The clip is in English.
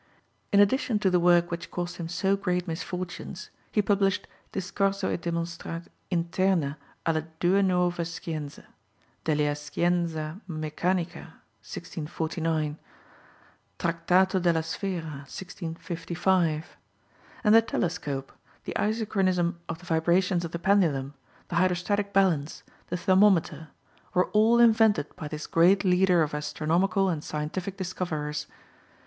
In addition to the work which caused him so great misfortunes he published Discorso e Demonstr. interna alle due nuove Scienze, Delia Scienza Meccanica (1649), Tractato della Sfera (1655); and the telescope, the isochronism of the vibrations of the pendulum, the hydrostatic balance, the thermometer, were all invented by this great leader of astronomical and scientific discoverers.